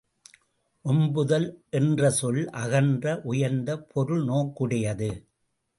ஓம்புதல் என்ற சொல், அகன்ற உயர்ந்த பொருள் நோக்குடையது.